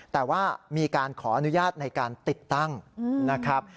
แต่ว่ามีการขออนุญาตในการติดตั้งนะครับ